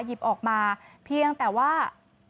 หยิบออกมาเพียงแต่ว่า